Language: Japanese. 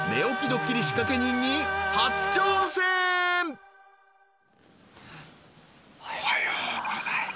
［続いては］おはようございます。